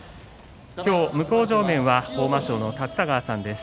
きょう向正面は豊真将の立田川さんです。